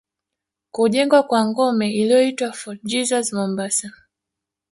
Kujengwa kwa ngome iliyoitwa Fort Jesus Mombasa